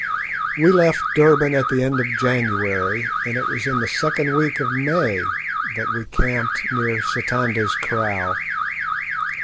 We left Durban at the end of January, and it was in the second week of May that we camped near Sitanda's Kraal.